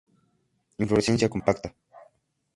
Inflorescencia compacta.